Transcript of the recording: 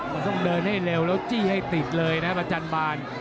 มันต้องเดินให้เร็วแล้วจี้ให้ติดเลยนะประจันบาล